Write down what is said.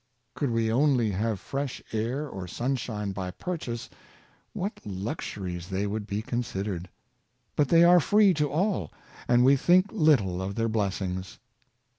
Could we only have fresh air or sunshine by purchase, what luxuries they would be considered. But they are free to all, and we think lit tle of their blessings.